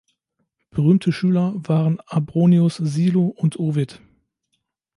Berühmte Schüler waren Abronius Silo und Ovid.